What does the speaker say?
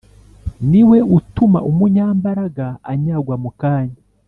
Ni we utuma umunyambaraga anyagwa mu kanya